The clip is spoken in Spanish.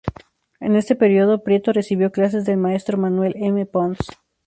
En este periodo, Prieto recibió clases del maestro Manuel M. Ponce.